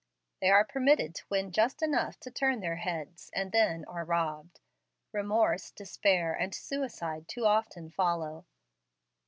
They are permitted to win just enough to turn their heads, and then are robbed. Remorse, despair, and suicide too often follow.